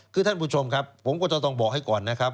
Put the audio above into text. คือท่านผู้ชมครับผมก็จะต้องบอกให้ก่อนนะครับ